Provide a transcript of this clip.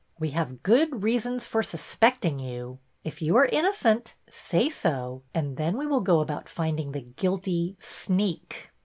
We have good reasons for suspecting you. If you are innocent say so, and then we will go about finding the guilty — sneak."